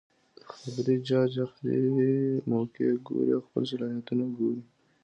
د خبرې جاج اخلي ،موقع ګوري او خپل صلاحيتونه ګوري